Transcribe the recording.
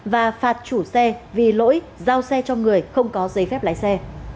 và phạt chủ xe vì lỗi giao xe cho người không có giấy phép lái xe